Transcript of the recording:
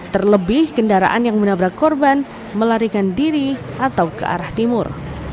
terlebih kendaraan yang menabrak korban melarikan diri atau ke arah timur